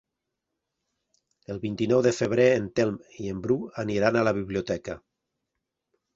El vint-i-nou de febrer en Telm i en Bru aniran a la biblioteca.